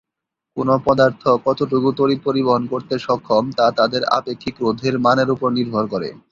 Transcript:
কোন পদার্থ কতটুকু তড়িৎ পরিবহন করতে সক্ষম তা তাদের আপেক্ষিক রোধের মানের ওপর নির্ভর করে।